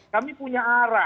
kami punya arah